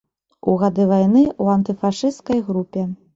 У гады вайны ў антыфашысцкай групе.